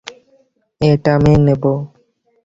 এটা আমি নেব।